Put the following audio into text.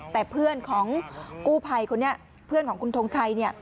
แต่เพื่อนของกู้ภัยคนนี้คุณทงชัยเนี่ย